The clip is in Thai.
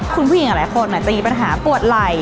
คุณผู้หญิงหลายคนจะมีปัญหาปวดไหล่